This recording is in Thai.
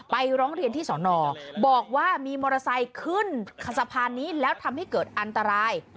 ร้องเรียนที่สอนอบอกว่ามีมอเตอร์ไซค์ขึ้นสะพานนี้แล้วทำให้เกิดอันตราย